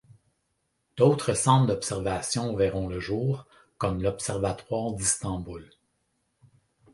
D'autres centres d'observation verront le jour comme l'observatoire d'Istanbul.